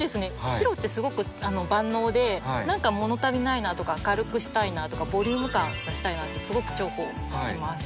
白ってすごく万能で何か物足りないなとか明るくしたいなとかボリューム感出したいなってすごく重宝します。